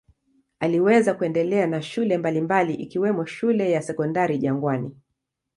Aliweza kuendelea na shule mbalimbali ikiwemo shule ya Sekondari Jangwani.